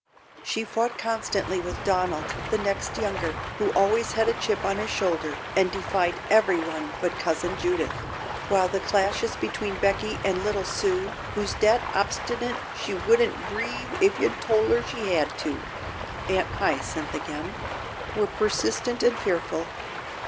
She fought constantly with Donald, the next younger, who always had a chip on his shoulder and defied everyone but Cousin Judith, while the clashes between Becky and little Sue "who's dat obst'nit she wouldn't breave ef yo' tol' her she had to" (Aunt Hyacinth again) were persistent and fearful.